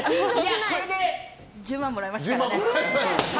これで１０万もらいましたからね。